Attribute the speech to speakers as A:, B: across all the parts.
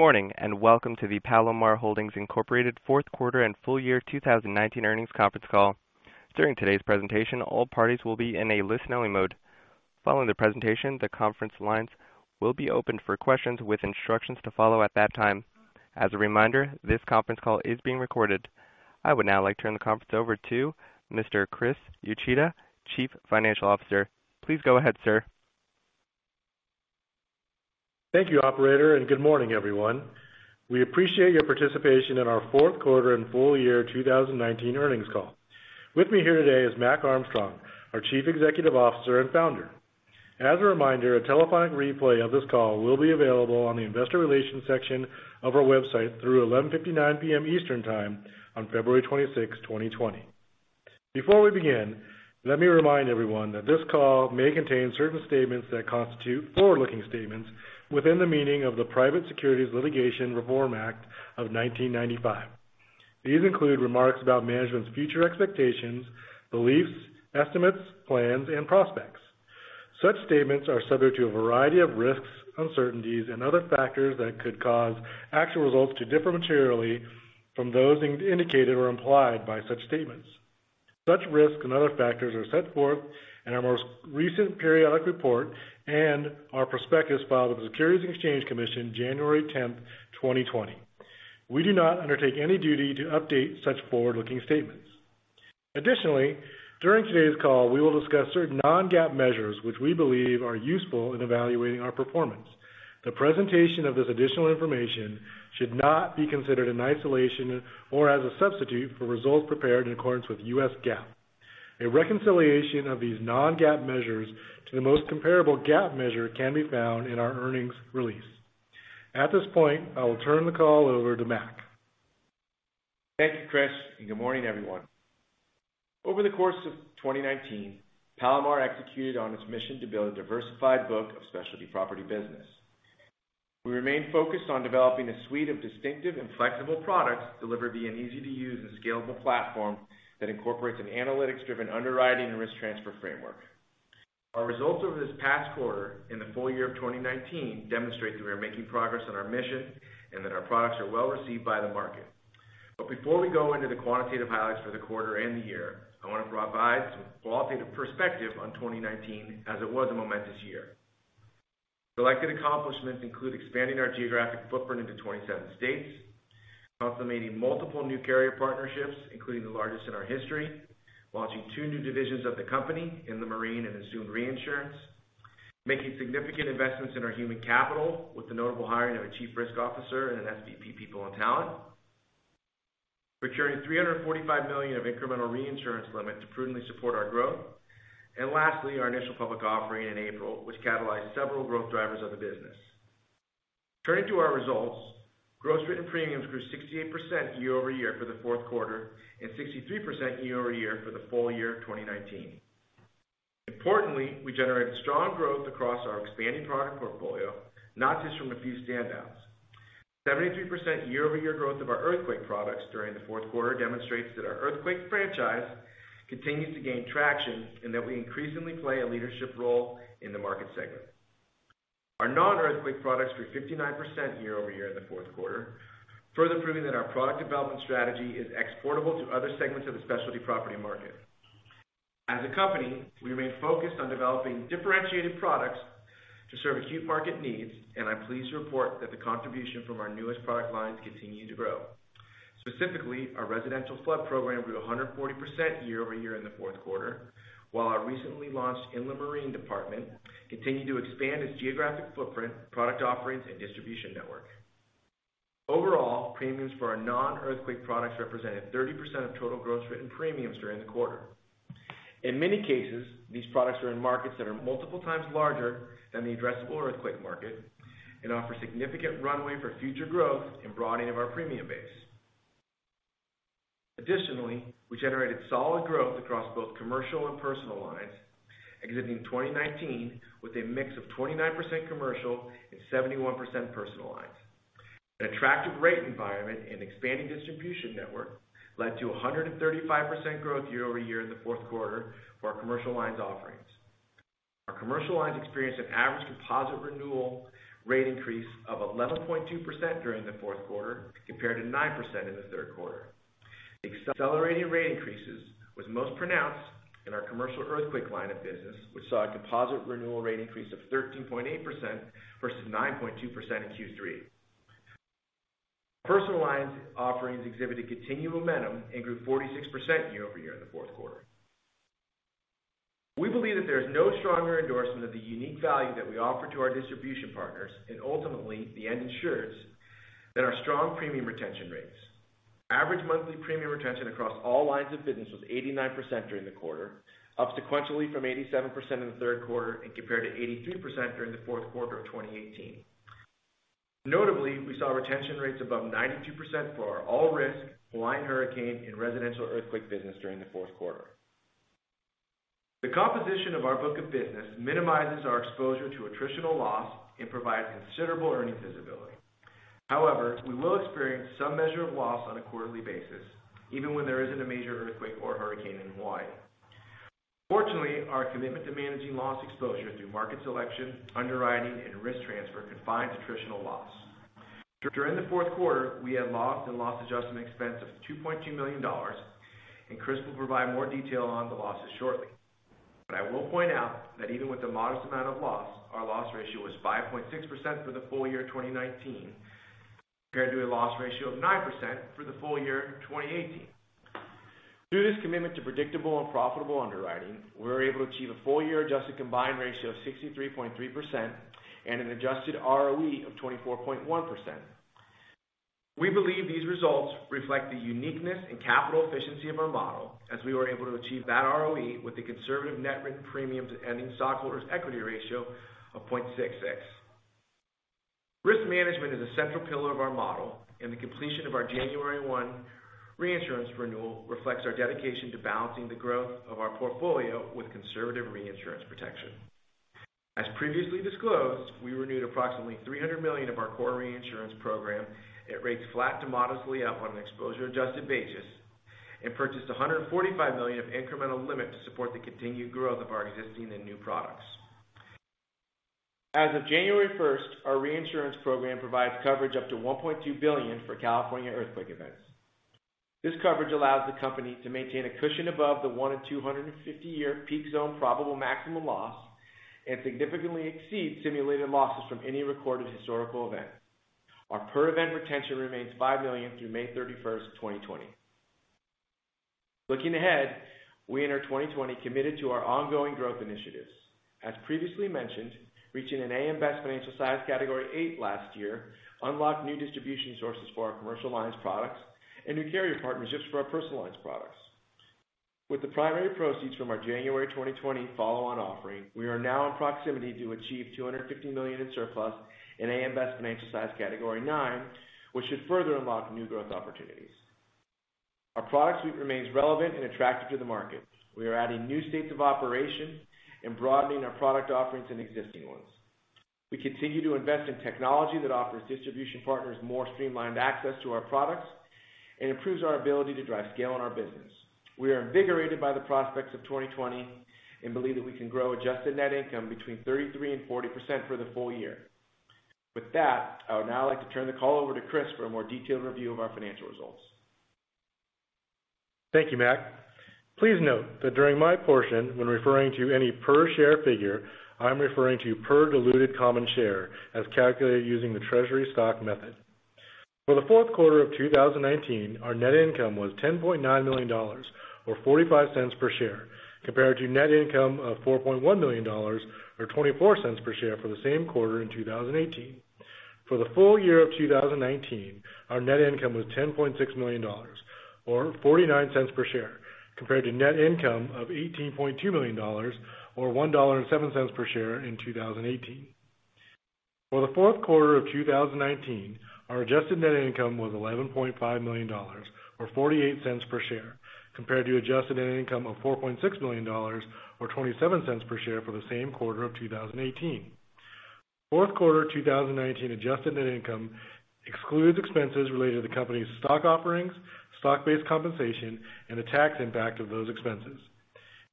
A: Good morning. Welcome to the Palomar Holdings, Inc. fourth quarter and full year 2019 earnings conference call. During today's presentation, all parties will be in a listening mode. Following the presentation, the conference lines will be opened for questions with instructions to follow at that time. As a reminder, this conference call is being recorded. I would now like to turn the conference over to Mr. Chris Uchida, Chief Financial Officer. Please go ahead, sir.
B: Thank you, operator. Good morning, everyone. We appreciate your participation in our fourth quarter and full year 2019 earnings call. With me here today is Mac Armstrong, our Chief Executive Officer and founder. As a reminder, a telephonic replay of this call will be available on the investor relations section of our website through 11:59 P.M. Eastern Time on February 26, 2020. Before we begin, let me remind everyone that this call may contain certain statements that constitute forward-looking statements within the meaning of the Private Securities Litigation Reform Act of 1995. These include remarks about management's future expectations, beliefs, estimates, plans, and prospects. Such statements are subject to a variety of risks, uncertainties, and other factors that could cause actual results to differ materially from those indicated or implied by such statements. Such risks and other factors are set forth in our most recent periodic report and our prospectus filed with the Securities and Exchange Commission January 10th, 2020. We do not undertake any duty to update such forward-looking statements. Additionally, during today's call, we will discuss certain non-GAAP measures which we believe are useful in evaluating our performance. The presentation of this additional information should not be considered in isolation or as a substitute for results prepared in accordance with U.S. GAAP. A reconciliation of these non-GAAP measures to the most comparable GAAP measure can be found in our earnings release. At this point, I will turn the call over to Mac.
C: Thank you, Chris. Good morning, everyone. Over the course of 2019, Palomar executed on its mission to build a diversified book-of-specialty property business. We remain focused on developing a suite of distinctive and flexible products delivered via an easy-to-use and scalable platform that incorporates an analytics-driven underwriting and risk transfer framework. Our results over this past quarter and the full year of 2019 demonstrate that we are making progress on our mission and that our products are well-received by the market. Before we go into the quantitative highlights for the quarter and the year, I want to provide some qualitative perspective on 2019, as it was a momentous year. Selected accomplishments include expanding our geographic footprint into 27 states, consummating multiple new carrier partnerships, including the largest in our history, launching two new divisions of the company in the marine and assumed reinsurance, making significant investments in our human capital with the notable hiring of a Chief Risk Officer and an SVP, People and Talent, procuring $345 million of incremental reinsurance limit to prudently support our growth, and lastly, our initial public offering in April, which catalyzed several growth drivers of the business. Turning to our results, gross written premiums grew 68% year-over-year for the fourth quarter and 63% year-over-year for the full year of 2019. Importantly, we generated strong growth across our expanding product portfolio, not just from a few standouts. 73% year-over-year growth of our earthquake products during the fourth quarter demonstrates that our earthquake franchise continues to gain traction and that we increasingly play a leadership role in the market segment. Our non-earthquake products grew 59% year-over-year in the fourth quarter, further proving that our product development strategy is exportable to other segments of the specialty property market. As a company, we remain focused on developing differentiated products to serve acute market needs, and I'm pleased to report that the contribution from our newest product lines continue to grow. Specifically, our residential flood program grew 140% year-over-year in the fourth quarter, while our recently launched inland marine department continued to expand its geographic footprint, product offerings, and distribution network. Overall, premiums for our non-earthquake products represented 30% of total gross written premiums during the quarter. In many cases, these products are in markets that are multiple times larger than the addressable earthquake market and offer significant runway for future growth and broadening of our premium base. Additionally, we generated solid growth across both commercial and personal lines, exiting 2019 with a mix of 29% commercial and 71% personal lines. An attractive rate environment and expanding distribution network led to 135% growth year-over-year in the fourth quarter for our commercial lines offerings. Our commercial lines experienced an average composite renewal rate increase of 11.2% during the fourth quarter, compared to 9% in the third quarter. Accelerating rate increases was most pronounced in our commercial earthquake line of business, which saw a composite renewal rate increase of 13.8% versus 9.2% in Q3. Personal lines offerings exhibited continued momentum and grew 46% year-over-year in the fourth quarter. We believe that there is no stronger endorsement of the unique value that we offer to our distribution partners, and ultimately the end insurers, than our strong premium retention rates. Average monthly premium retention across all lines of business was 89% during the quarter, up sequentially from 87% in the third quarter and compared to 83% during the fourth quarter of 2018. Notably, we saw retention rates above 92% for our all-risk, Hawaiian hurricane, and residential earthquake business during the fourth quarter. The composition of our book of business minimizes our exposure to attritional loss and provides considerable earning visibility. However, we will experience some measure of loss on a quarterly basis even when there isn't a major earthquake or hurricane in Hawaii. Fortunately, our commitment to managing loss exposure through market selection, underwriting, and risk transfer confines attritional loss. During the fourth quarter, we had loss and loss adjustment expense of $2.2 million, Chris will provide more detail on the losses shortly. I will point out that even with the modest amount of loss, our loss ratio was 5.6% for the full year 2019, compared to a loss ratio of 9% for the full year 2018. Through this commitment to predictable and profitable underwriting, we were able to achieve a full-year adjusted combined ratio of 63.3% and an adjusted ROE of 24.1%. We believe these results reflect the uniqueness and capital efficiency of our model as we were able to achieve that ROE with the conservative net written premiums and ending stockholders' equity ratio of 0.66. Risk management is a central pillar of our model, and the completion of our January 1 reinsurance renewal reflects our dedication to balancing the growth of our portfolio with conservative reinsurance protection. As previously disclosed, we renewed approximately $300 million of our core reinsurance program at rates flat to modestly up on an exposure-adjusted basis and purchased $145 million of incremental limit to support the continued growth of our existing and new products. As of January 1st, our reinsurance program provides coverage up to $1.2 billion for California earthquake events. This coverage allows the company to maintain a cushion above the one in 250-year peak zone probable maximum loss and significantly exceeds simulated losses from any recorded historical event. Our per-event retention remains $5 million through May 31st, 2020. Looking ahead, we enter 2020 committed to our ongoing growth initiatives. As previously mentioned, reaching an AM Best Financial Size Category VIII last year unlocked new distribution sources for our commercial lines products and new carrier partnerships for our personal lines products. With the primary proceeds from our January 2020 follow-on offering, we are now in proximity to achieve $250 million in surplus and AM Best Financial Size Category IX, which should further unlock new growth opportunities. Our product suite remains relevant and attractive to the market. We are adding new states of operation and broadening our product offerings and existing ones. We continue to invest in technology that offers distribution partners more streamlined access to our products and improves our ability to drive scale in our business. We are invigorated by the prospects of 2020 and believe that we can grow adjusted net income between 33% and 40% for the full year. With that, I would now like to turn the call over to Chris for a more detailed review of our financial results.
B: Thank you, Mac. Please note that during my portion when referring to any per-share figure, I'm referring to per diluted common share as calculated using the treasury stock method. For the fourth quarter of 2019, our net income was $10.9 million, or $0.45 per share, compared to net income of $4.1 million, or $0.24 per share for the same quarter in 2018. For the full year of 2019, our net income was $10.6 million, or $0.49 per share, compared to net income of $18.2 million, or $1.07 per share in 2018. For the fourth quarter of 2019, our adjusted net income was $11.5 million, or $0.48 per share, compared to adjusted net income of $4.6 million or $0.27 per share for the same quarter of 2018. Fourth quarter 2019 adjusted net income excludes expenses related to the company's stock offerings, stock-based compensation, and the tax impact of those expenses.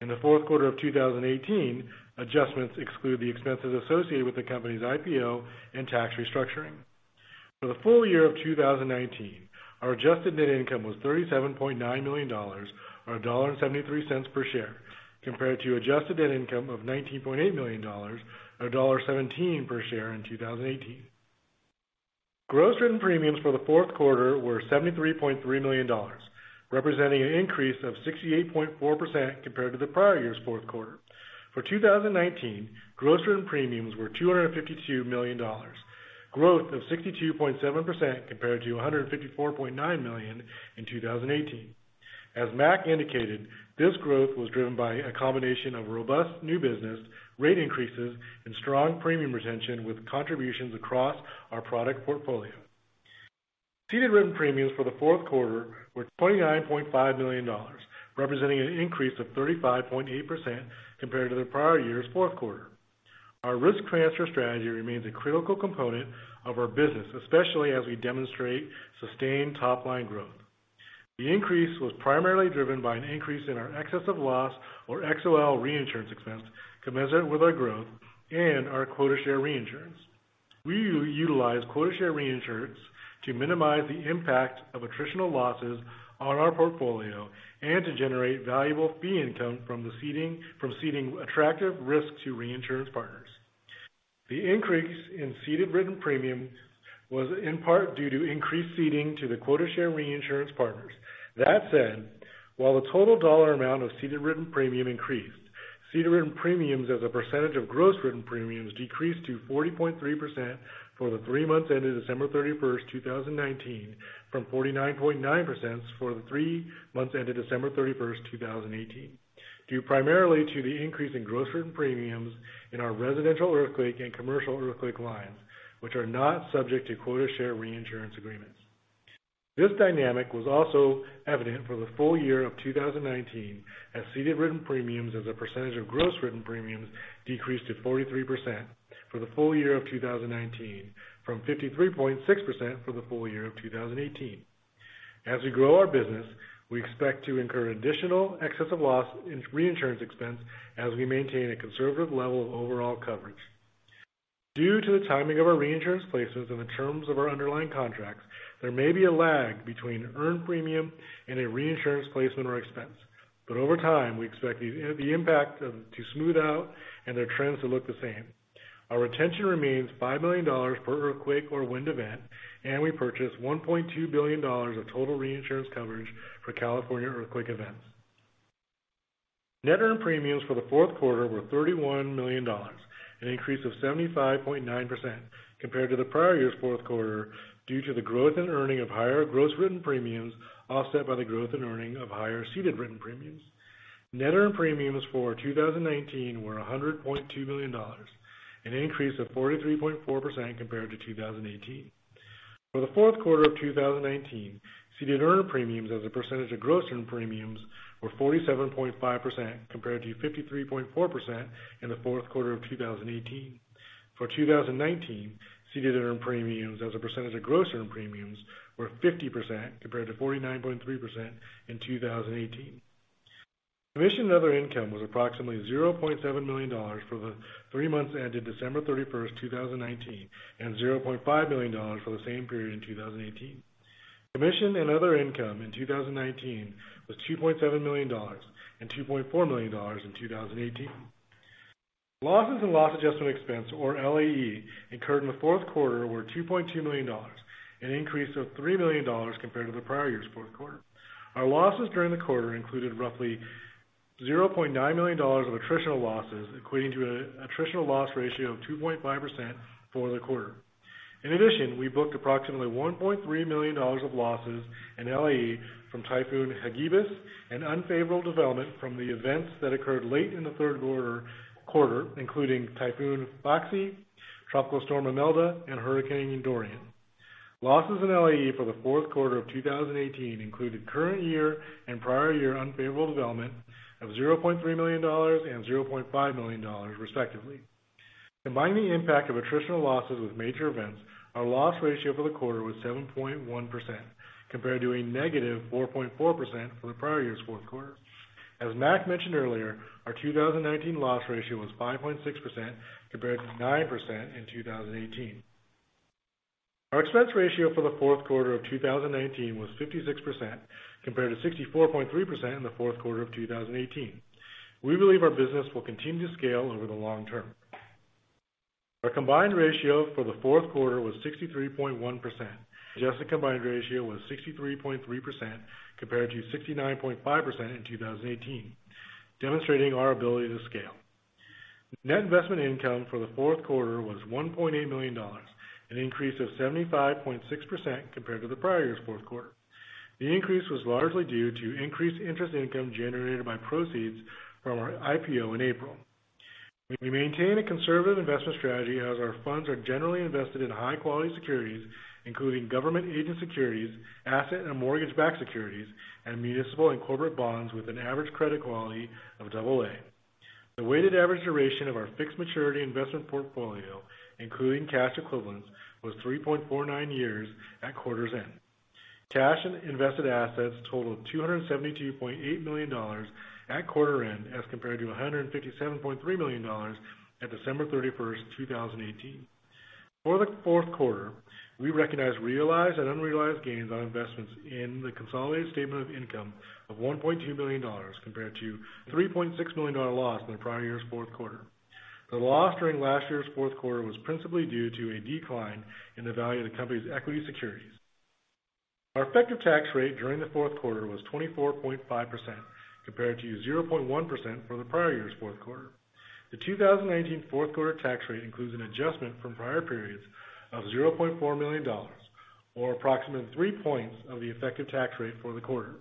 B: In the fourth quarter of 2018, adjustments exclude the expenses associated with the company's IPO and tax restructuring. For the full year of 2019, our adjusted net income was $37.9 million, or $1.73 per share, compared to adjusted net income of $19.8 million or $1.17 per share in 2018. Gross written premiums for the fourth quarter were $73.3 million, representing an increase of 68.4% compared to the prior year's fourth quarter. For 2019, gross written premiums were $252 million, growth of 62.7% compared to $154.9 million in 2018. As Mac indicated, this growth was driven by a combination of robust new business, rate increases, and strong premium retention with contributions across our product portfolio. Ceded written premiums for the fourth quarter were $29.5 million, representing an increase of 35.8% compared to the prior year's fourth quarter. Our risk transfer strategy remains a critical component of our business, especially as we demonstrate sustained top-line growth. The increase was primarily driven by an increase in our excess of loss or XOL reinsurance expense commensurate with our growth and our quota share reinsurance. We utilize quota share reinsurance to minimize the impact of attritional losses on our portfolio and to generate valuable fee income from ceding attractive risk to reinsurance partners. The increase in ceded written premium was in part due to increased ceding to the quota share reinsurance partners. While the total dollar amount of ceded written premium increased, ceded written premiums as a percentage of gross written premiums decreased to 40.3% for the three months ended December 31st, 2019, from 49.9% for the three months ended December 31st, 2018, due primarily to the increase in gross written premiums in our residential earthquake and commercial earthquake lines, which are not subject to quota share reinsurance agreements. This dynamic was also evident for the full year of 2019, as ceded written premiums as a percentage of gross written premiums decreased to 43% for the full year of 2019 from 53.6% for the full year of 2018. As we grow our business, we expect to incur additional excess of loss in reinsurance expense as we maintain a conservative level of overall coverage. Due to the timing of our reinsurance placements and the terms of our underlying contracts, there may be a lag between earned premium and a reinsurance placement or expense. Over time, we expect the impact to smooth out and their trends to look the same. Our retention remains $5 million per earthquake or wind event, and we purchased $1.2 billion of total reinsurance coverage for California earthquake events. Net earned premiums for the fourth quarter were $31 million, an increase of 75.9% compared to the prior year's fourth quarter due to the growth in earning of higher gross written premiums, offset by the growth in earning of higher ceded written premiums. Net earned premiums for 2019 were $100.2 million, an increase of 43.4% compared to 2018. For the fourth quarter of 2019, ceded earned premiums as a percentage of gross written premiums were 47.5%, compared to 53.4% in the fourth quarter of 2018. For 2019, ceded earned premiums as a percentage of gross written premiums were 50%, compared to 49.3% in 2018. Commission and other income was approximately $0.7 million for the three months ended December 31st, 2019, and $0.5 million for the same period in 2018. Commission and other income in 2019 was $2.7 million and $2.4 million in 2018. Losses and loss adjustment expense, or LAE, incurred in the fourth quarter were $2.2 million, an increase of $3 million compared to the prior year's fourth quarter. Our losses during the quarter included roughly $0.9 million of attritional losses, equating to an attritional loss ratio of 2.5% for the quarter. In addition, we booked approximately $1.3 million of losses in LAE from Typhoon Hagibis and unfavorable development from the events that occurred late in the third quarter, including Typhoon Faxai, Tropical Storm Imelda, and Hurricane Dorian. Losses in LAE for the fourth quarter of 2018 included current year and prior year unfavorable development of $0.3 million and $0.5 million respectively. Combining the impact of attritional losses with major events, our loss ratio for the quarter was 7.1%, compared to a negative 4.4% for the prior year's fourth quarter. As Mac mentioned earlier, our 2019 loss ratio was 5.6%, compared to 9% in 2018. Our expense ratio for the fourth quarter of 2019 was 56%, compared to 64.3% in the fourth quarter of 2018. We believe our business will continue to scale over the long term. Our combined ratio for the fourth quarter was 63.1%. Adjusted combined ratio was 63.3%, compared to 69.5% in 2018, demonstrating our ability to scale. Net investment income for the fourth quarter was $1.8 million, an increase of 75.6% compared to the prior year's fourth quarter. The increase was largely due to increased interest income generated by proceeds from our IPO in April. We maintain a conservative investment strategy as our funds are generally invested in high-quality securities, including government agent securities, asset and mortgage-backed securities, and municipal and corporate bonds with an average credit quality of AA. The weighted average duration of our fixed maturity investment portfolio, including cash equivalents, was 3.49 years at quarter's end. Cash and invested assets totaled $272.8 million at quarter end as compared to $157.3 million at December 31st, 2018. For the fourth quarter, we recognized realized and unrealized gains on investments in the consolidated statement of income of $1.2 billion compared to a $3.6 million loss in the prior year's fourth quarter. The loss during last year's fourth quarter was principally due to a decline in the value of the company's equity securities. Our effective tax rate during the fourth quarter was 24.5% compared to 0.1% for the prior year's fourth quarter. The 2019 fourth quarter tax rate includes an adjustment from prior periods of $0.4 million, or approximately three points of the effective tax rate for the quarter.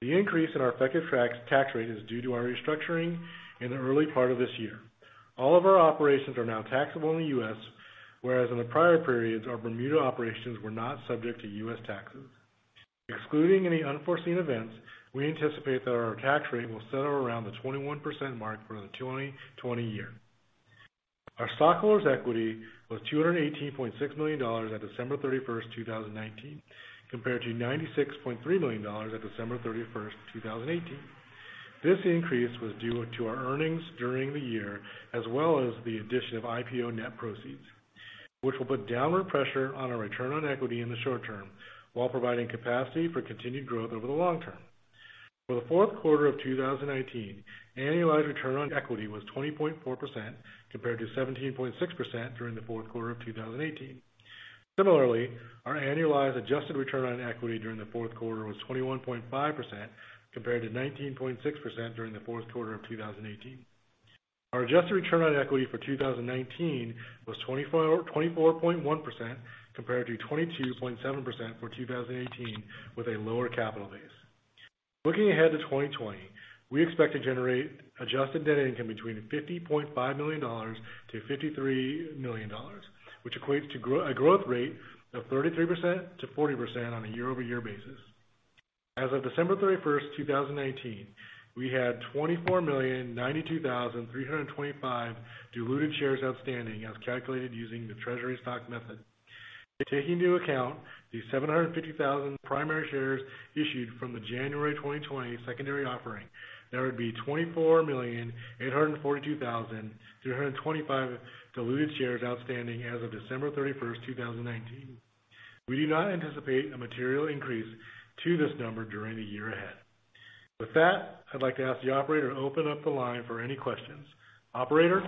B: The increase in our effective tax rate is due to our restructuring in the early part of this year. All of our operations are now taxable in the U.S., whereas in the prior periods, our Bermuda operations were not subject to U.S. taxes. Excluding any unforeseen events, we anticipate that our tax rate will settle around the 21% mark for the 2020 year. Our stockholders' equity was $218.6 million on December 31st, 2019, compared to $96.3 million on December 31st, 2018. This increase was due to our earnings during the year, as well as the addition of IPO net proceeds, which will put downward pressure on our return on equity in the short term while providing capacity for continued growth over the long term. For the fourth quarter of 2019, annualized return on equity was 20.4% compared to 17.6% during the fourth quarter of 2018. Similarly, our annualized adjusted return on equity during the fourth quarter was 21.5% compared to 19.6% during the fourth quarter of 2018. Our adjusted return on equity for 2019 was 24.1% compared to 22.7% for 2018 with a lower capital base. Looking ahead to 2020, we expect to generate adjusted net income between $50.5 million-$53 million, which equates to a growth rate of 33%-40% on a year-over-year basis. As of December 31st, 2019, we had 24,092,325 diluted shares outstanding as calculated using the treasury stock method. Taking into account the 750,000 primary shares issued from the January 2020 secondary offering, there would be 24,842,325 diluted shares outstanding as of December 31st, 2019. We do not anticipate a material increase to this number during the year ahead. With that, I'd like to ask the operator to open up the line for any questions. Operator?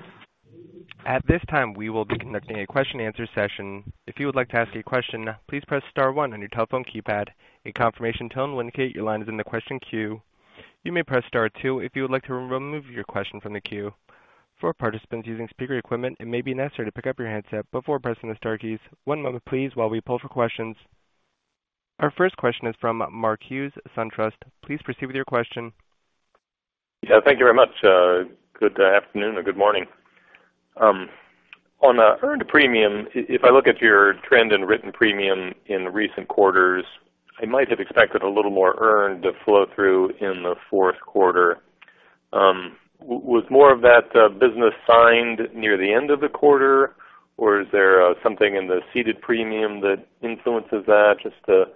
A: At this time, we will be conducting a question and answer session. If you would like to ask a question, please press star one on your telephone keypad. A confirmation tone will indicate your line is in the question queue. You may press star two if you would like to remove your question from the queue. For participants using speaker equipment, it may be necessary to pick up your handset before pressing the star keys. One moment please, while we pull for questions. Our first question is from Mark Hughes, SunTrust. Please proceed with your question.
D: Yeah, thank you very much. Good afternoon or good morning. On earned premium, if I look at your trend in written premium in recent quarters, I might have expected a little more earn to flow through in the fourth quarter. Was more of that business signed near the end of the quarter, or is there something in the ceded premium that influences that? Just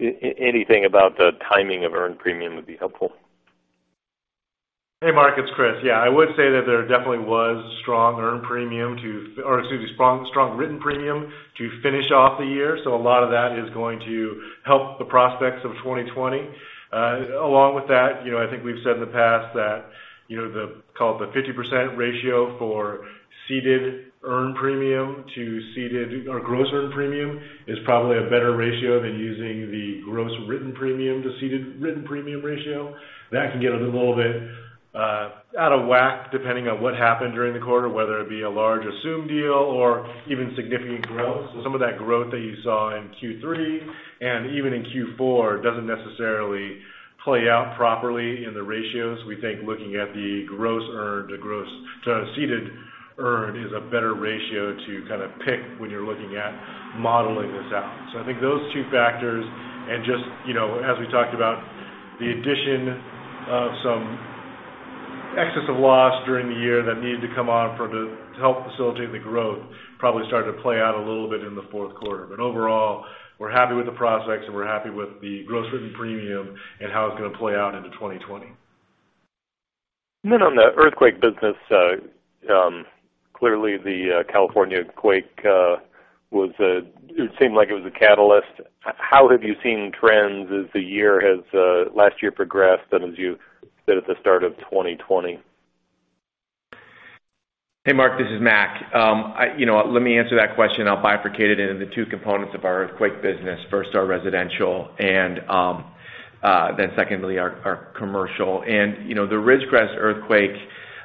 D: anything about the timing of earned premium would be helpful.
B: Hey, Mark, it's Chris. Yeah, I would say that there definitely was strong written premium to finish off the year. A lot of that is going to help the prospects of 2020. Along with that, I think we've said in the past that, call it the 50% ratio for ceded earned premium to ceded or gross earned premium is probably a better ratio than using the gross written premium to ceded written premium ratio. That can get a little bit out of whack depending on what happened during the quarter, whether it be a large assumed deal or even significant growth. Some of that growth that you saw in Q3 and even in Q4 doesn't necessarily play out properly in the ratios. We think looking at the gross earned to ceded earned is a better ratio to kind of pick when you're looking at modeling this out. I think those two factors and just as we talked about the addition of some excess of loss during the year that needed to come on to help facilitate the growth probably started to play out a little bit in the fourth quarter. Overall, we're happy with the prospects, and we're happy with the gross written premium and how it's going to play out into 2020.
D: On the earthquake business, clearly the California quake it seemed like it was a catalyst. How have you seen trends as last year progressed, and as you sit at the start of 2020?
C: Hey, Mark, this is Mac. Let me answer that question. I'll bifurcate it into the two components of our earthquake business. First, our residential, then secondly, our commercial. The Ridgecrest earthquake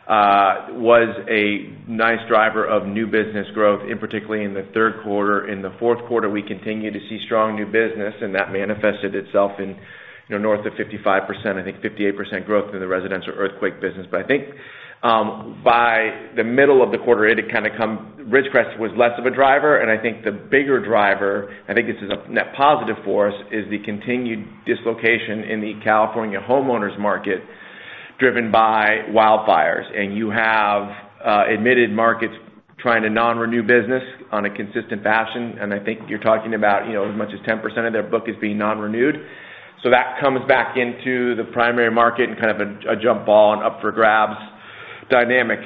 C: was a nice driver of new business growth in particularly in the third quarter. In the fourth quarter, we continued to see strong new business, and that manifested itself in north of 55%, I think 58% growth in the residential earthquake business. I think by the middle of the quarter, Ridgecrest was less of a driver, and I think the bigger driver, I think this is a net positive for us, is the continued dislocation in the California homeowners market driven by wildfires. You have admitted markets trying to non-renew business on a consistent fashion, and I think you're talking about as much as 10% of their book is being non-renewed. That comes back into the primary market and kind of a jump ball and up for grabs dynamic.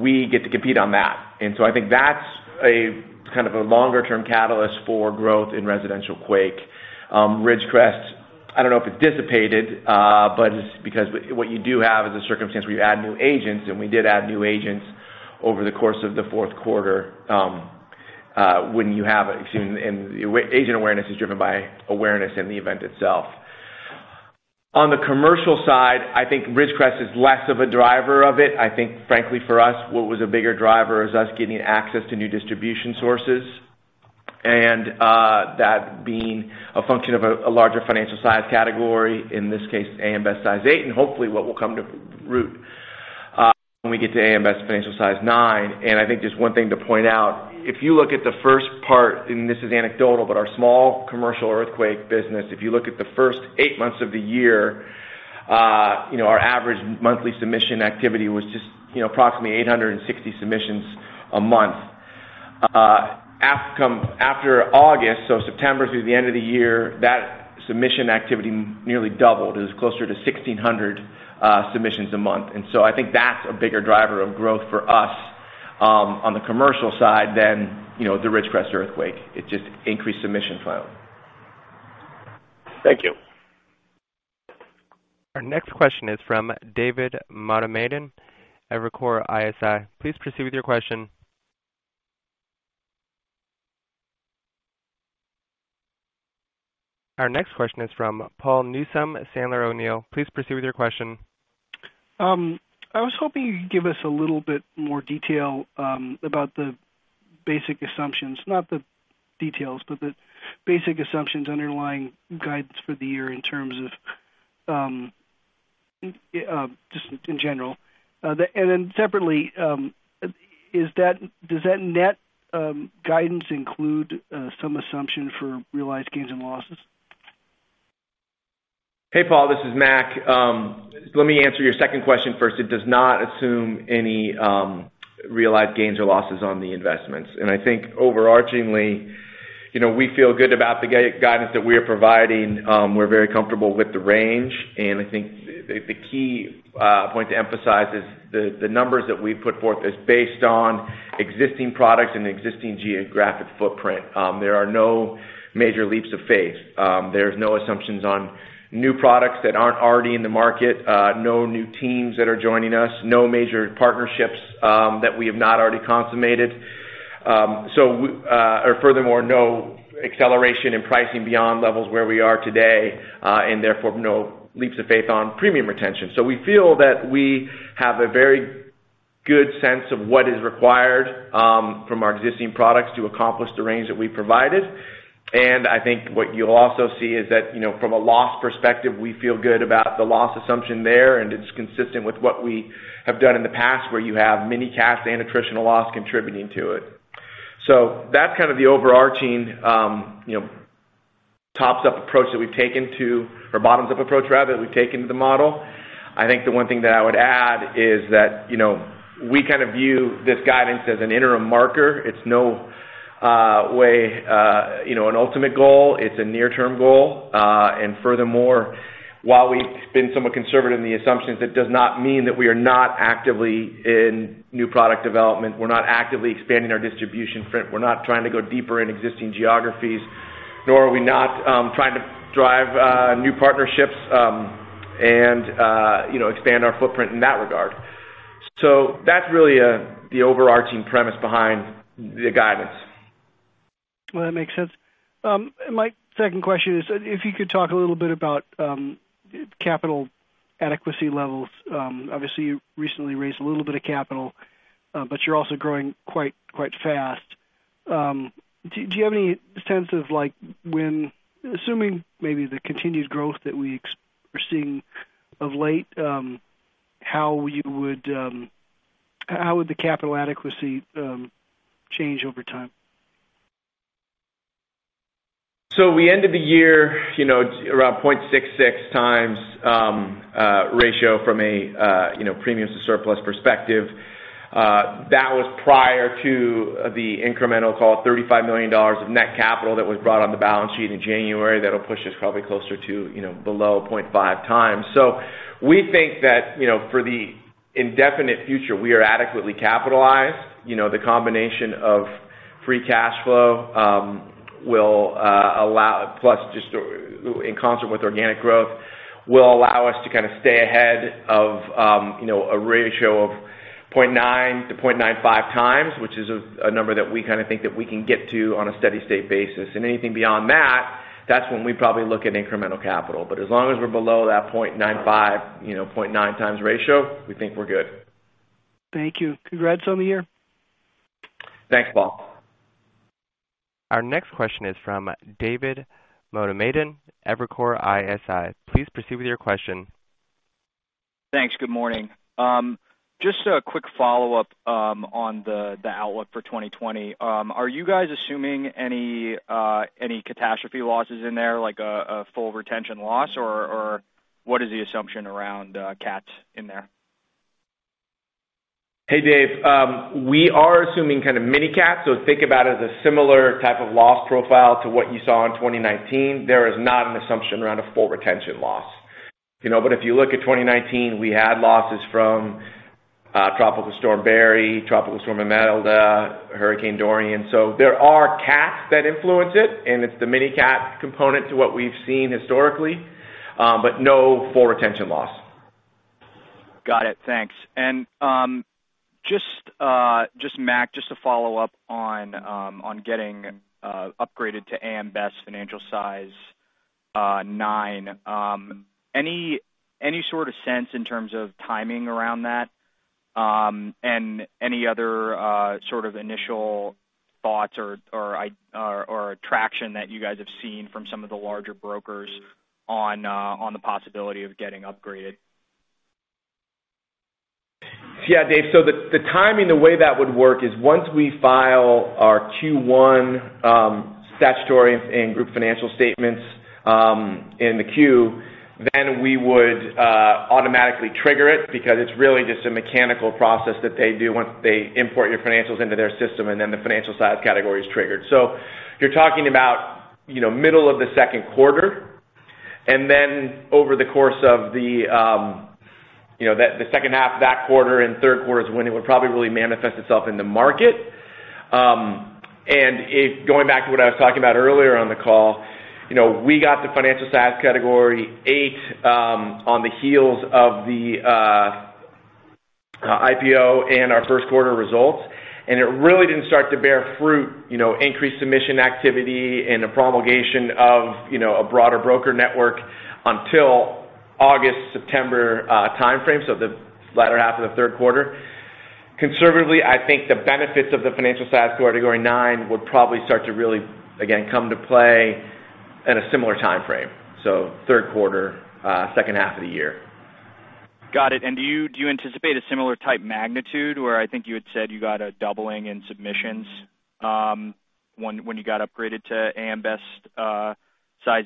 C: We get to compete on that. I think that's kind of a longer-term catalyst for growth in residential quake. Ridgecrest, I don't know if it dissipated, because what you do have is a circumstance where you add new agents, and we did add new agents over the course of the fourth quarter, when you have agent awareness is driven by awareness in the event itself. On the commercial side, I think Ridgecrest is less of a driver of it. Frankly for us, what was a bigger driver is us getting access to new distribution sources, and that being a function of a larger financial size category, in this case AM Best Size 8, and hopefully what will come to root when we get to AM Best Financial Size 9. I think just one thing to point out, if you look at the first part, and this is anecdotal, but our small commercial earthquake business, if you look at the first eight months of the year, our average monthly submission activity was just approximately 860 submissions a month. After August, so September through the end of the year, that submission activity nearly doubled. It was closer to 1,600 submissions a month. I think that's a bigger driver of growth for us on the commercial side than the Ridgecrest earthquake. It's just increased submission filing.
D: Thank you.
A: Our next question is from David Motemaden at Evercore ISI. Please proceed with your question. Our next question is from Paul Newsome at Sandler O'Neill. Please proceed with your question.
E: I was hoping you could give us a little bit more detail about the basic assumptions, not the details, but the basic assumptions underlying guidance for the year in terms of just in general. Separately, does that net guidance include some assumption for realized gains and losses?
C: Hey, Paul, this is Mac. Let me answer your second question first. It does not assume any realized gains or losses on the investments. I think overarchingly, we feel good about the guidance that we are providing. We're very comfortable with the range, and I think the key point to emphasize is the numbers that we've put forth is based on existing products and existing geographic footprint. There are no major leaps of faith. There's no assumptions on new products that aren't already in the market, no new teams that are joining us, no major partnerships that we have not already consummated. Furthermore, no acceleration in pricing beyond levels where we are today, and therefore, no leaps of faith on premium retention. We feel that we have a very good sense of what is required from our existing products to accomplish the range that we provided. I think what you'll also see is that from a loss perspective, we feel good about the loss assumption there, and it's consistent with what we have done in the past, where you have mini cats and attritional loss contributing to it. That's kind of the overarching bottoms-up approach that we've taken to the model. I think the one thing that I would add is that we kind of view this guidance as an interim marker. It's no way an ultimate goal. It's a near-term goal. Furthermore, while we've been somewhat conservative in the assumptions, it does not mean that we are not actively in new product development. We're not actively expanding our distribution footprint. We're not trying to go deeper in existing geographies, nor are we not trying to drive new partnerships and expand our footprint in that regard. That's really the overarching premise behind the guidance.
E: That makes sense. My second question is, if you could talk a little bit about capital adequacy levels. Obviously, you recently raised a little bit of capital, but you're also growing quite fast. Do you have any sense of when, assuming maybe the continued growth that we are seeing of late, how would the capital adequacy change over time?
C: We ended the year around 0.66 times ratio from a premium to surplus perspective. That was prior to the incremental call, $35 million of net capital that was brought on the balance sheet in January. That'll push us probably closer to below 0.5 times. We think that for the indefinite future, we are adequately capitalized. The combination of free cash flow plus just in concert with organic growth will allow us to kind of stay ahead of a ratio of 0.9-0.95 times, which is a number that we kind of think that we can get to on a steady state basis. Anything beyond that's when we probably look at incremental capital. As long as we're below that 0.95, 0.9 times ratio, we think we're good.
E: Thank you. Congrats on the year.
C: Thanks, Paul.
A: Our next question is from David Motemaden, Evercore ISI. Please proceed with your question.
F: Thanks. Good morning. Just a quick follow-up on the outlook for 2020. Are you guys assuming any catastrophe losses in there, like a full retention loss, or what is the assumption around cats in there?
C: Hey, Dave. We are assuming kind of mini cats, so think about it as a similar type of loss profile to what you saw in 2019. There is not an assumption around a full retention loss. If you look at 2019, we had losses from Tropical Storm Barry, Tropical Storm Imelda, Hurricane Dorian. There are cats that influence it, and it's the mini cat component to what we've seen historically, but no full retention loss.
F: Got it. Thanks. Mac, just to follow up on getting upgraded to AM Best Financial Size Category IX. Any sort of sense in terms of timing around that, and any other sort of initial thoughts or traction that you guys have seen from some of the larger brokers on the possibility of getting upgraded?
C: Yeah, Dave. The timing, the way that would work is once we file our Q1 statutory and group financial statements in the queue, we would automatically trigger it because it's really just a mechanical process that they do once they import your financials into their system, the financial size category is triggered. You're talking about middle of the second quarter, and then over the course of the second half of that quarter and third quarter is when it would probably really manifest itself in the market. Going back to what I was talking about earlier on the call, we got the financial size category VIII on the heels of the IPO and our first quarter results, it really didn't start to bear fruit, increased submission activity and a promulgation of a broader broker network until August, September timeframe, the latter half of the third quarter. Conservatively, I think the benefits of the financial size category IX will probably start to really, again, come to play in a similar timeframe. Third quarter, second half of the year.
F: Got it. Do you anticipate a similar type magnitude where I think you had said you got a doubling in submissions when you got upgraded to AM Best Financial Size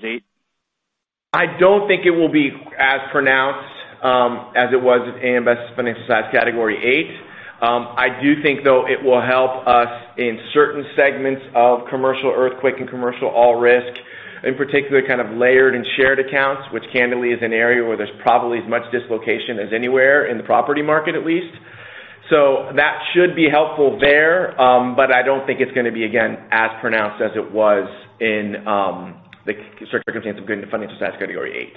F: Category VIII?
C: I don't think it will be as pronounced as it was at AM Best Financial Size Category VIII. I do think, though, it will help us in certain segments of commercial earthquake and commercial all risk, in particular, kind of layered and shared accounts, which candidly is an area where there's probably as much dislocation as anywhere in the property market at least. That should be helpful there, but I don't think it's going to be, again, as pronounced as it was in the circumstance of getting to financial size category VIII.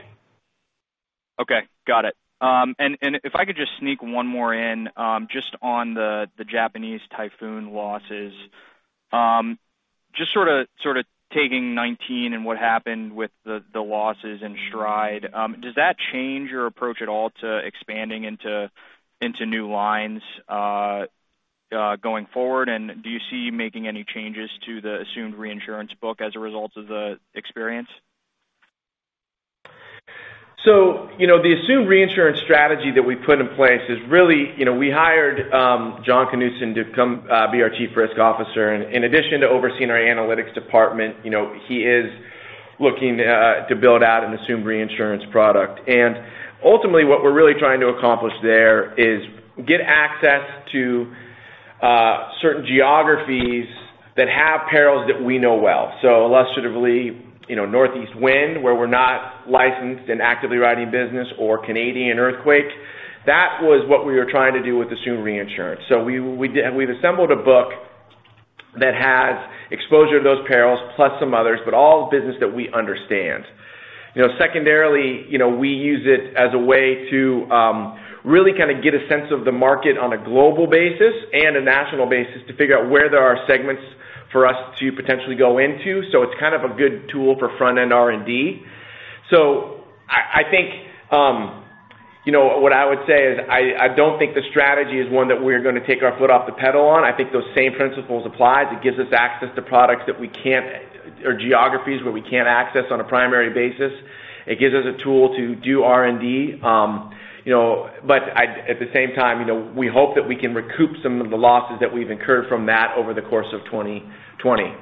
F: Okay, got it. If I could just sneak one more in, just on the Japanese typhoon losses. Just sort of taking 2019 and what happened with the losses in stride, does that change your approach at all to expanding into new lines, going forward? Do you see making any changes to the assumed reinsurance book as a result of the experience?
C: The assumed reinsurance strategy that we put in place is really, we hired Jon Knutzen to come be our Chief Risk Officer. In addition to overseeing our analytics department, he is looking to build out an assumed reinsurance product. Ultimately, what we're really trying to accomplish there is get access to certain geographies that have perils that we know well. Illustratively, Northeast wind, where we're not licensed and actively writing business or Canadian earthquake. That was what we were trying to do with assumed reinsurance. We've assembled a book that has exposure to those perils plus some others, but all business that we understand. Secondarily, we use it as a way to really kind of get a sense of the market on a global basis and a national basis to figure out where there are segments for us to potentially go into. It's kind of a good tool for front-end R&D. I think what I would say is I don't think the strategy is one that we're going to take our foot off the pedal on. I think those same principles apply. It gives us access to products that we can't, or geographies where we can't access on a primary basis. It gives us a tool to do R&D. At the same time, we hope that we can recoup some of the losses that we've incurred from that over the course of 2020.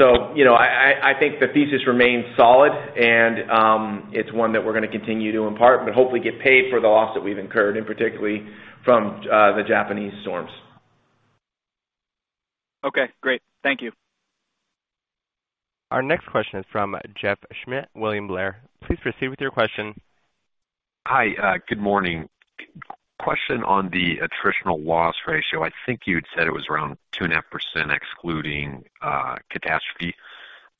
C: I think the thesis remains solid, and it's one that we're going to continue to impart, but hopefully get paid for the loss that we've incurred, and particularly from the Japanese storms.
F: Okay, great. Thank you.
A: Our next question is from Jeff Schmitt, William Blair. Please proceed with your question.
G: Hi, good morning. Question on the attritional loss ratio. I think you'd said it was around 2.5% excluding catastrophe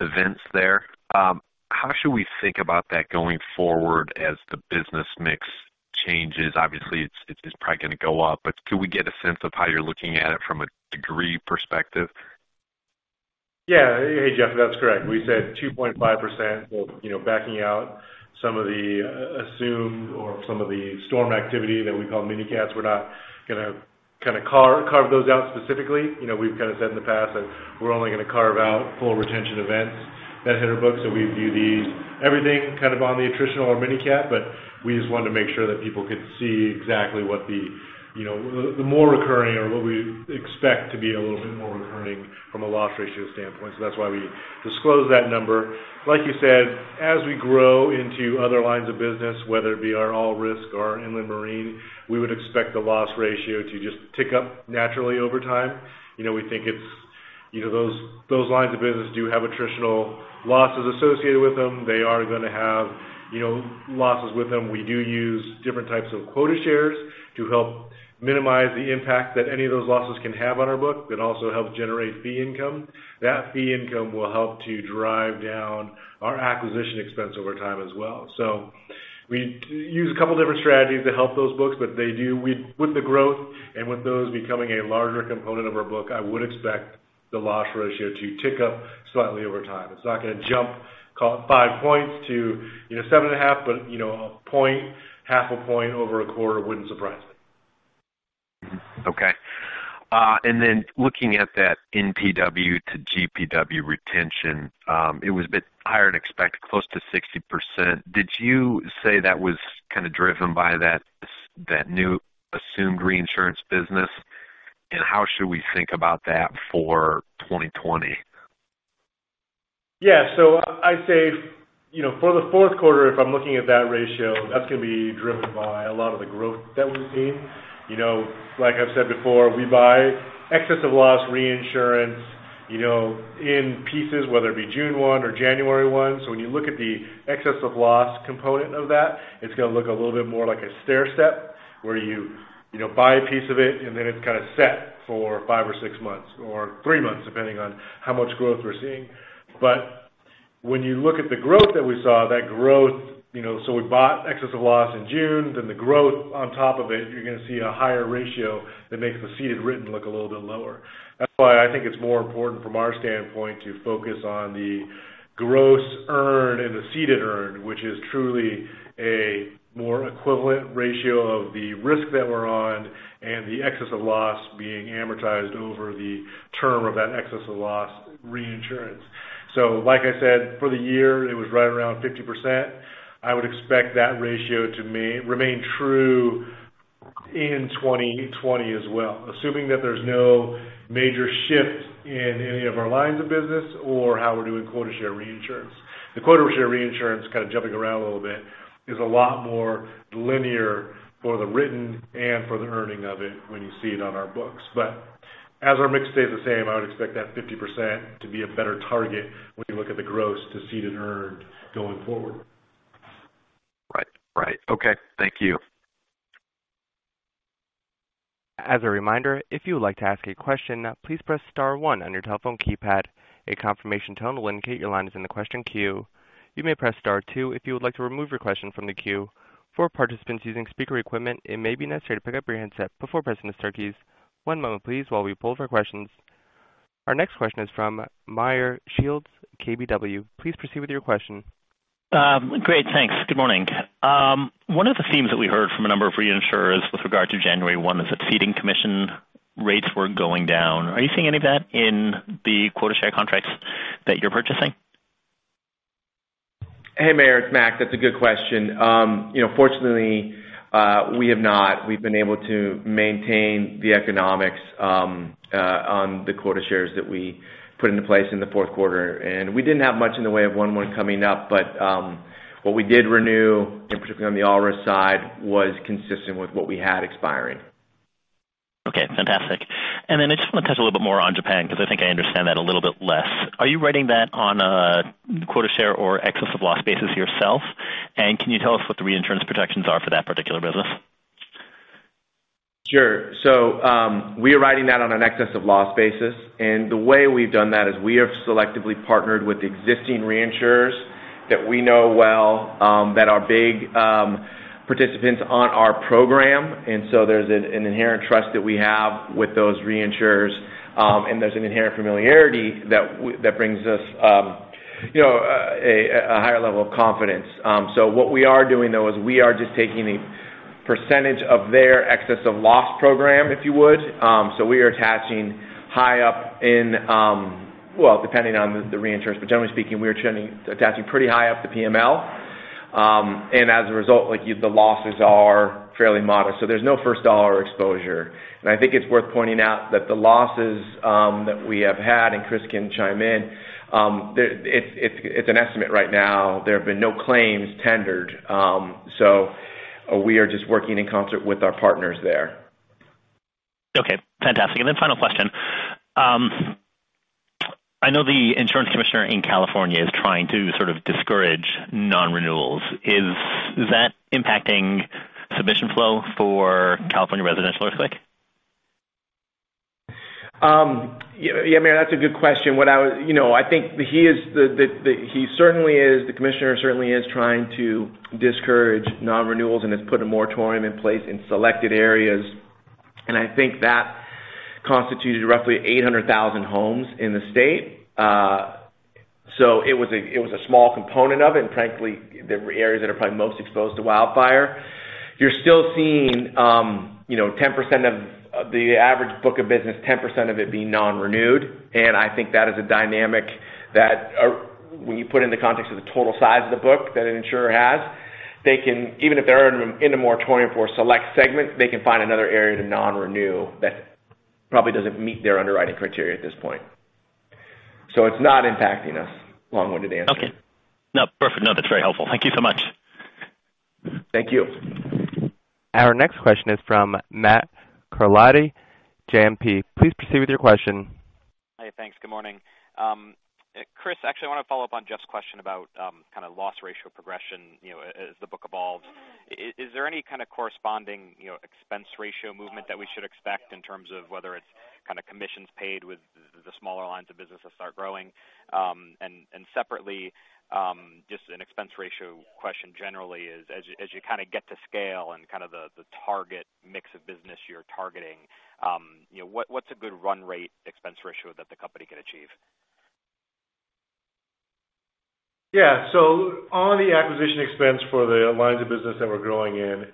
G: events there. How should we think about that going forward as the business mix changes? Obviously, it's probably going to go up, but could we get a sense of how you're looking at it from a degree perspective?
B: Yeah. Hey, Jeff. That's correct. We said 2.5% backing out some of the assumed or some of the storm activity that we call mini cats. We're not going to kind of carve those out specifically. We've kind of said in the past that we're only going to carve out full retention events that hit our books, so we view these, everything kind of on the attritional or mini cat, but we just wanted to make sure that people could see exactly what the more recurring or what we expect to be a little bit more recurring from a loss ratio standpoint. That's why we disclose that number. Like you said, as we grow into other lines of business, whether it be our all risk or inland marine, we would expect the loss ratio to just tick up naturally over time.
C: We think those lines of business do have attritional losses associated with them. They are going to have losses with them. We do use different types of quota shares to help minimize the impact that any of those losses can have on our book, that also helps generate fee income. That fee income will help to drive down our acquisition expense over time as well. We use a couple different strategies to help those books, but with the growth and with those becoming a larger component of our book, I would expect the loss ratio to tick up slightly over time. It's not going to jump 5 points to 7.5, but 1 point, half a point over a quarter wouldn't surprise me.
G: Okay. Looking at that NPW to GPW retention, it was a bit higher than expected, close to 60%. Did you say that was kind of driven by that new assumed reinsurance business, and how should we think about that for 2020?
B: Yeah. I'd say, for the fourth quarter, if I'm looking at that ratio, that's going to be driven by a lot of the growth that we've seen. Like I've said before, we buy excess of loss reinsurance in pieces, whether it be June one or January one. When you look at the excess of loss component of that, it's going to look a little bit more like a stair step where you buy a piece of it and then it's kind of set for five or six months or three months, depending on how much growth we're seeing. When you look at the growth that we saw, we bought excess of loss in June, the growth on top of it, you're going to see a higher ratio that makes the ceded written look a little bit lower. That's why I think it's more important from our standpoint to focus on the gross earn and the ceded earn, which is truly a more equivalent ratio of the risk that we're on and the excess of loss being amortized over the term of that excess of loss reinsurance. Like I said, for the year, it was right around 50%. I would expect that ratio to remain true in 2020 as well, assuming that there's no major shift in any of our lines of business or how we're doing quota share reinsurance. The quota share reinsurance, kind of jumping around a little bit, is a lot more linear for the written and for the earning of it when you see it on our books. As our mix stays the same, I would expect that 50% to be a better target when you look at the gross to ceded earned going forward.
G: Right. Okay. Thank you.
A: As a reminder, if you would like to ask a question, please press *1 on your telephone keypad. A confirmation tone will indicate your line is in the question queue. You may press *2 if you would like to remove your question from the queue. For participants using speaker equipment, it may be necessary to pick up your handset before pressing the star keys. One moment please while we poll for questions. Our next question is from Meyer Shields, KBW. Please proceed with your question.
H: Great, thanks. Good morning. One of the themes that we heard from a number of reinsurers with regard to January 1 is that ceding commission rates were going down. Are you seeing any of that in the quota share contracts that you're purchasing?
C: Hey, Meyer, it's Mac. That's a good question. Fortunately, we have not. We've been able to maintain the economics on the quota shares that we put into place in the fourth quarter. We didn't have much in the way of one month coming up. What we did renew, in particular on the all risk side, was consistent with what we had expiring.
H: Okay, fantastic. I just want to touch a little bit more on Japan, because I think I understand that a little bit less. Are you writing that on a quota share or excess of loss basis yourself? Can you tell us what the reinsurance protections are for that particular business?
C: Sure. We are writing that on an excess of loss basis. The way we've done that is we have selectively partnered with existing reinsurers that we know well, that are big participants on our program. There's an inherent trust that we have with those reinsurers, and there's an inherent familiarity that brings us a higher level of confidence. What we are doing, though, is we are just taking a percentage of their excess of loss program, if you would. We are attaching high up in, well, depending on the reinsurance, but generally speaking, we're attaching pretty high up the PML. As a result, the losses are fairly modest, so there's no first dollar exposure. I think it's worth pointing out that the losses that we have had, and Chris can chime in, it's an estimate right now.
B: There have been no claims tendered. We are just working in concert with our partners there.
H: Okay, fantastic. Final question. I know the insurance commissioner in California is trying to sort of discourage non-renewals. Is that impacting submission flow for California residential earthquake?
C: Yeah, Meyer, that's a good question. I think the commissioner certainly is trying to discourage non-renewals and has put a moratorium in place in selected areas, and I think that constituted roughly 800,000 homes in the state. It was a small component of it, and frankly, they were areas that are probably most exposed to wildfire. You're still seeing the average book of business, 10% of it being non-renewed, and I think that is a dynamic that when you put in the context of the total size of the book that an insurer has, even if they're in a moratorium for a select segment, they can find another area to non-renew that probably doesn't meet their underwriting criteria at this point. It's not impacting us. Long-winded answer.
H: Okay. No, perfect. No, that's very helpful. Thank you so much.
C: Thank you.
A: Our next question is from Matthew Carletti, JMP. Please proceed with your question.
I: Hey, thanks. Good morning. Chris, actually, I want to follow up on Jeff Schmitt's question about kind of loss ratio progression as the book evolves. Is there any kind of corresponding expense ratio movement that we should expect in terms of whether it's kind of commissions paid with the smaller lines of business that start growing? Separately, just an expense ratio question generally is, as you kind of get to scale and kind of the target mix of business you're targeting, what's a good run rate expense ratio that the company can achieve?
B: Yeah. On the acquisition expense for the lines of business that we're growing in,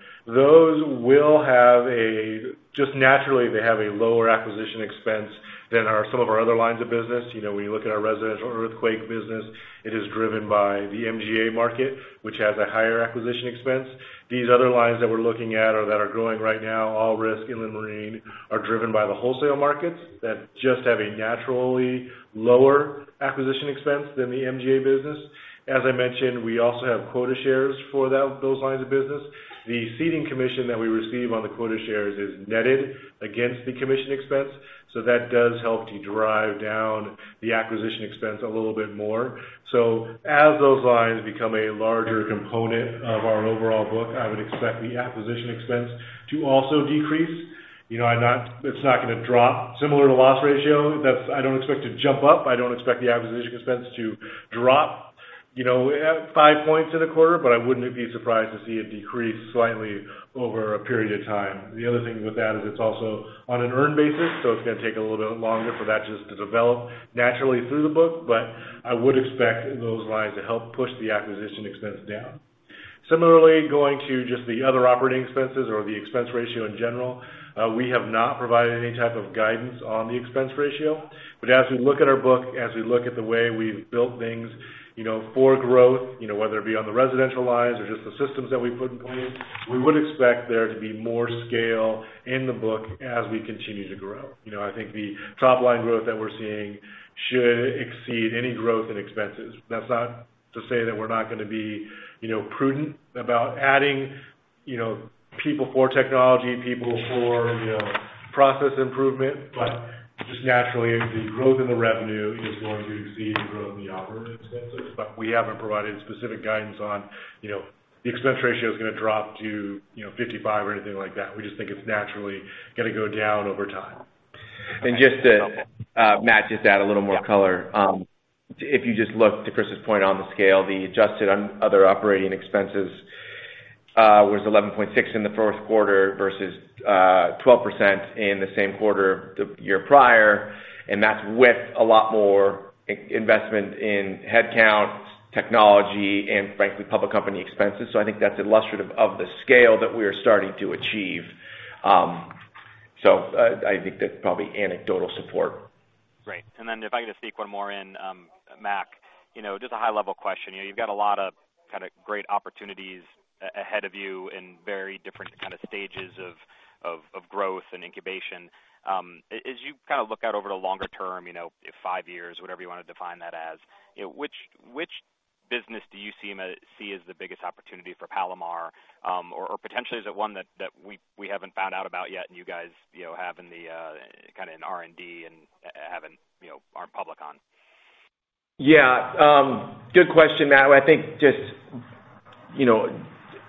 B: just naturally, they have a lower acquisition expense than some of our other lines of business. When you look at our residential earthquake business, it is driven by the MGA market, which has a higher acquisition expense. These other lines that we're looking at or that are growing right now, all risk and the marine, are driven by the wholesale markets that just have a naturally lower acquisition expense than the MGA business. As I mentioned, we also have quota shares for those lines of business. The ceding commission that we receive on the quota shares is netted against the commission expense. That does help to drive down the acquisition expense a little bit more. As those lines become a larger component of our overall book, I would expect the acquisition expense to also decrease. It's not going to drop similar to loss ratio. I don't expect to jump up. I don't expect the acquisition expense to drop five points in a quarter, but I wouldn't be surprised to see it decrease slightly over a period of time. The other thing with that is it's also on an earned basis, so it's going to take a little bit longer for that just to develop naturally through the book. I would expect those lines to help push the acquisition expense down. Similarly, going to just the other operating expenses or the expense ratio in general, we have not provided any type of guidance on the expense ratio. As we look at our book, as we look at the way we've built things for growth, whether it be on the residential lines or just the systems that we've put in place, we would expect there to be more scale in the book as we continue to grow. I think the top-line growth that we're seeing should exceed any growth in expenses. That's not to say that we're not going to be prudent about adding people for technology, people for process improvement. Just naturally, the growth in the revenue is going to exceed the growth in the operating expenses. We haven't provided specific guidance on the expense ratio is going to drop to 55% or anything like that. We just think it's naturally going to go down over time.
C: Just to, Matt, just to add a little more color. If you just look to Chris's point on the scale, the adjusted other operating expenses was 11.6% in the first quarter versus 12% in the same quarter the year prior. That's with a lot more investment in headcount, technology, and frankly, public company expenses. I think that's illustrative of the scale that we are starting to achieve. I think that's probably anecdotal support.
I: Great. Then if I could just sneak one more in, Mac. Just a high-level question. You've got a lot of kind of great opportunities ahead of you in very different kind of stages of growth and incubation. As you kind of look out over the longer term, 5 years, whatever you want to define that as, which business do you see as the biggest opportunity for Palomar? Or potentially, is it one that we haven't found out about yet, and you guys have in the kind of in R&D and haven't gone public on?
C: Yeah. Good question, Matt. I think just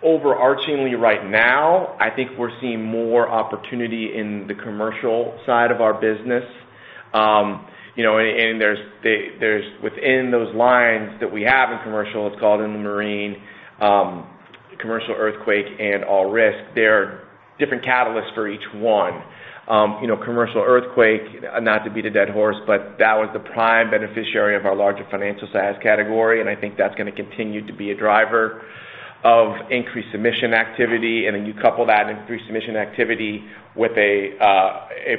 C: overarchingly right now, I think we're seeing more opportunity in the commercial side of our business. Within those lines that we have in commercial, it's called Inland Marine, commercial earthquake, and All Risk. There are different catalysts for each one. Commercial earthquake, not to beat a dead horse, but that was the prime beneficiary of our larger financial size category, and I think that's going to continue to be a driver of increased submission activity. Then you couple that increased submission activity with a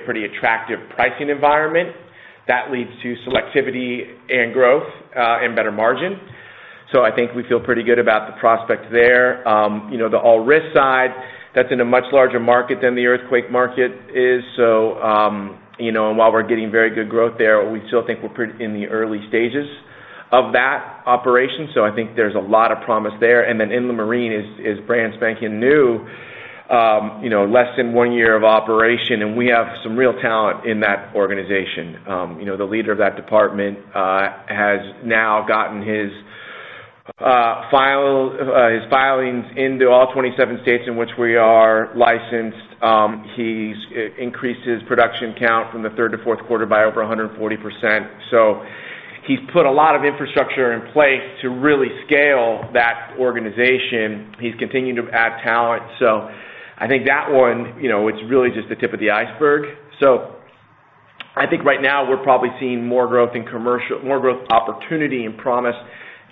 C: pretty attractive pricing environment, that leads to selectivity and growth, and better margin. I think we feel pretty good about the prospects there. The All Risk side, that's in a much larger market than the earthquake market is. While we're getting very good growth there, we still think we're in the early stages of that operation. I think there's a lot of promise there. Inland marine is brand spanking new. Less than one year of operation, and we have some real talent in that organization. The leader of that department has now gotten his filings into all 27 states in which we are licensed. He's increased his production count from the third to fourth quarter by over 140%. He's put a lot of infrastructure in place to really scale that organization. He's continuing to add talent. I think that one, it's really just the tip of the iceberg. I think right now we're probably seeing more growth opportunity and promise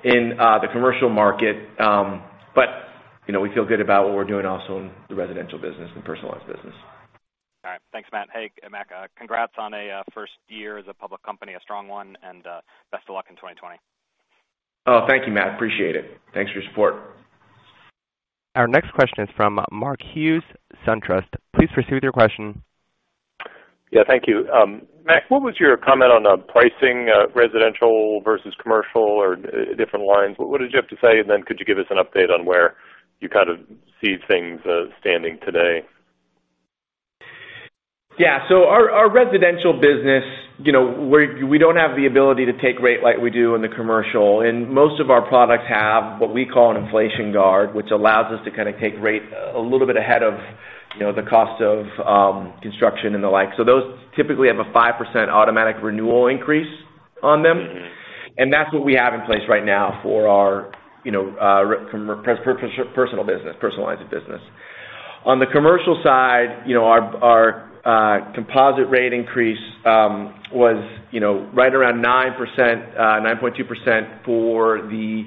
C: in the commercial market. We feel good about what we're doing also in the residential business and personal lines business.
I: All right. Thanks, Mac. Hey, Mac, congrats on a first year as a public company, a strong one, and best of luck in 2020.
C: Thank you, Matt. Appreciate it. Thanks for your support.
A: Our next question is from Mark Hughes, SunTrust. Please proceed with your question.
D: Thank you. Mac, what was your comment on pricing residential versus commercial or different lines? What did you have to say, and could you give us an update on where you kind of see things standing today?
C: Our residential business, we don't have the ability to take rate like we do in the commercial, and most of our products have what we call an inflation guard, which allows us to kind of take rate a little bit ahead of the cost of construction and the like. Those typically have a 5% automatic renewal increase on them. That's what we have in place right now for our personal lines of business. On the commercial side, our composite rate increase was right around 9.2% for the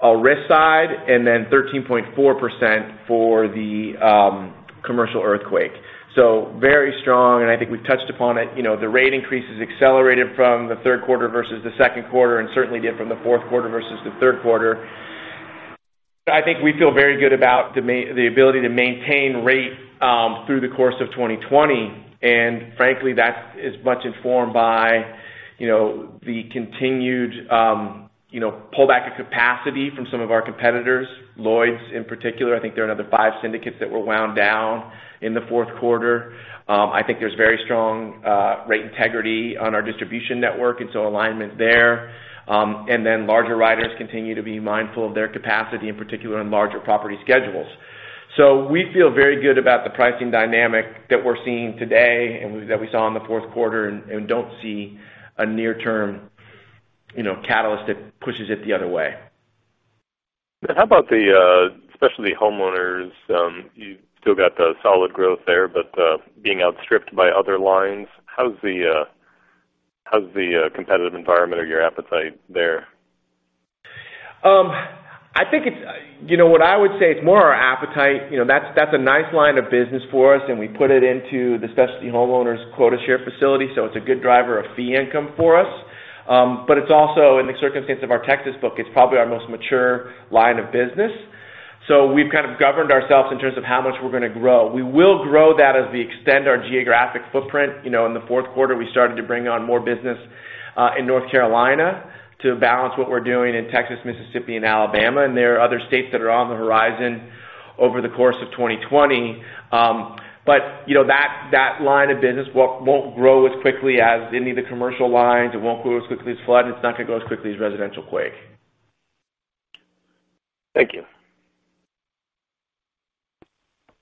C: all risk side and 13.4% for the commercial earthquake. Very strong, and I think we've touched upon it. The rate increase has accelerated from the third quarter versus the second quarter and certainly did from the fourth quarter versus the third quarter. I think we feel very good about the ability to maintain rate through the course of 2020, and frankly, that is much informed by the continued pullback of capacity from some of our competitors, Lloyd's in particular. I think there are another five syndicates that were wound down in the fourth quarter. I think there's very strong rate integrity on our distribution network, and alignment there. Larger writers continue to be mindful of their capacity, in particular on larger property schedules. We feel very good about the pricing dynamic that we're seeing today and that we saw in the fourth quarter and don't see a near-term catalyst that pushes it the other way.
D: How about the specialty homeowners? You've still got the solid growth there, but being outstripped by other lines. How's the competitive environment or your appetite there?
C: What I would say, it's more our appetite. That's a nice line of business for us, and we put it into the specialty homeowners quota share facility. It's a good driver of fee income for us. It's also, in the circumstance of our Texas book, it's probably our most mature line of business. We've kind of governed ourselves in terms of how much we're going to grow. We will grow that as we extend our geographic footprint. In the fourth quarter, we started to bring on more business in North Carolina to balance what we're doing in Texas, Mississippi, and Alabama. There are other states that are on the horizon over the course of 2020. That line of business won't grow as quickly as any of the commercial lines. It won't grow as quickly as flood. It's not going to grow as quickly as residential quake.
D: Thank you.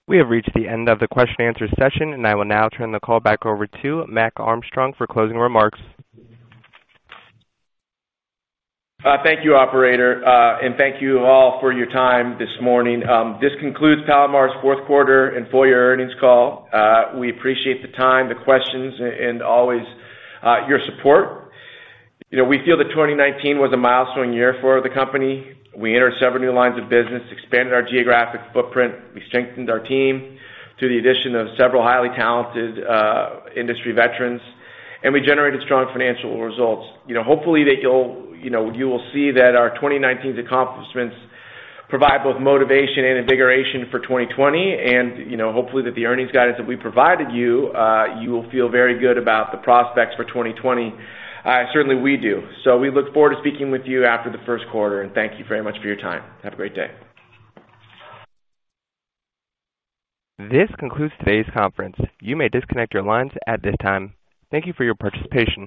A: We have reached the end of the question answer session. I will now turn the call back over to Mac Armstrong for closing remarks.
C: Thank you, operator. Thank you all for your time this morning. This concludes Palomar's fourth quarter and full year earnings call. We appreciate the time, the questions, and always your support. We feel that 2019 was a milestone year for the company. We entered several new lines of business, expanded our geographic footprint. We strengthened our team through the addition of several highly talented industry veterans, and we generated strong financial results. Hopefully you will see that our 2019 accomplishments provide both motivation and invigoration for 2020, and hopefully that the earnings guidance that we provided you will feel very good about the prospects for 2020. Certainly, we do. We look forward to speaking with you after the first quarter, and thank you very much for your time. Have a great day.
A: This concludes today's conference. You may disconnect your lines at this time. Thank you for your participation.